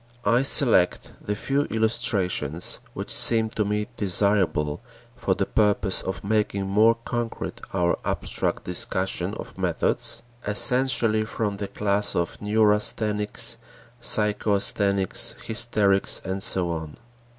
I select the few illustrations which seem to me desirable for the purpose of making more concrete our abstract discussion of methods, essentially from the class of neurasthenics, psychasthenics, hysterics, and so on.